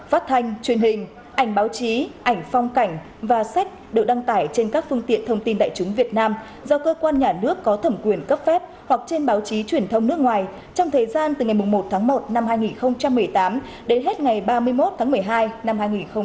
phát thanh truyền hình ảnh báo chí ảnh phong cảnh và sách được đăng tải trên các phương tiện thông tin đại chúng việt nam do cơ quan nhà nước có thẩm quyền cấp phép hoặc trên báo chí truyền thông nước ngoài trong thời gian từ ngày một tháng một năm hai nghìn một mươi tám đến hết ngày ba mươi một tháng một mươi hai năm hai nghìn một mươi chín